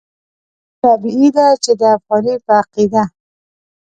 طبیعي ده چې د افغاني په عقیده.